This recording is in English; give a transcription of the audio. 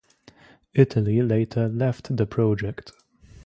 Italy later left the project.